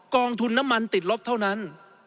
องทุนน้ำมันติดลบเท่านั้น